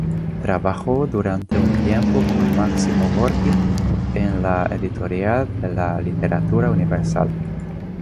Trabajó durante un tiempo con Máximo Gorki, en la editorial de la Literatura Universal.